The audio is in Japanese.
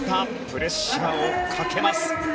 プレッシャーをかけます。